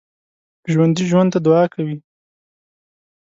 ژوندي ژوند ته دعا کوي